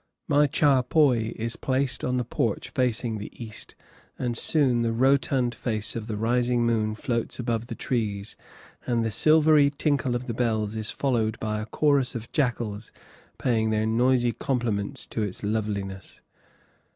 My charpoy is placed on the porch facing the east, and soon the rotund face of the rising moon floats above the trees, and the silvery tinkle of the bells is followed by a chorus of jackals paying their noisy compliments to its loveliness.